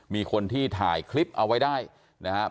มีคนที่ถ่ายคลิปเอาไว้ได้นะครับ